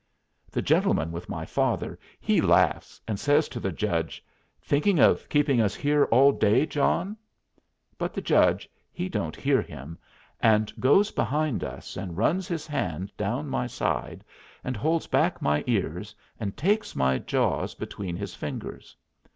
The gentleman with my father he laughs, and says to the judge, "Thinking of keeping us here all day, John?" But the judge he doesn't hear him, and goes behind us and runs his hand down my side, and holds back my ears, and takes my jaws between his fingers.